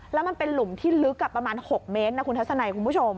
แล้วมันเป็นหลุมที่ลึกประมาณ๖เมตรนะคุณทัศนัยคุณผู้ชม